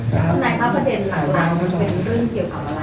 ท่านนายครับประเด็นต่างมันเป็นเรื่องเกี่ยวกับอะไร